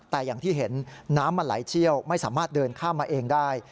แต่อย่างที่เห็นน้ำมันไหลเชี่ยวไม่สามารถเดินข้ามมาเองได้